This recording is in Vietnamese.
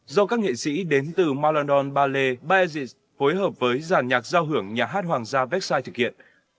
do các nghệ sĩ đến từ marlon don ballet baezis phối hợp với dàn nhạc giao hưởng nhà hát hoàng gia vecchiai thực hiện